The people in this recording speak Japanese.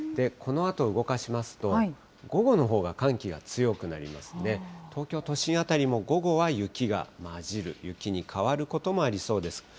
このあと動かしますと、午後のほうが寒気が強くなりますので、東京都心辺りも午後は雪が交じる、雪に変わることもありそうです。